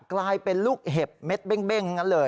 กลายเป็นลูกเห็บเม็ดเบ้งทั้งนั้นเลย